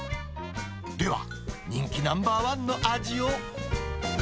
では、人気ナンバー１の味を。